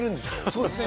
そうですね。